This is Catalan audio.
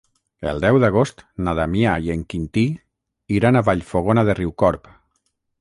El deu d'agost na Damià i en Quintí iran a Vallfogona de Riucorb.